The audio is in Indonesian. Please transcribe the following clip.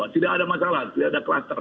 tidak ada masalah tidak ada kluster